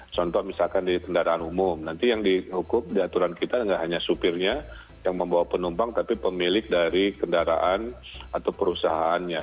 contoh misalkan di kendaraan umum nanti yang dihukum di aturan kita tidak hanya supirnya yang membawa penumpang tapi pemilik dari kendaraan atau perusahaannya